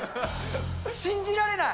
信じられない。